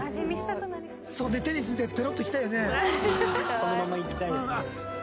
このままいきたいですね。